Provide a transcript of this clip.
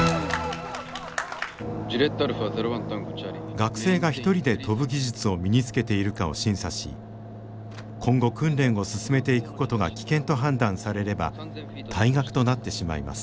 学生が一人で飛ぶ技術を身につけているかを審査し今後訓練を進めていくことが危険と判断されれば退学となってしまいます。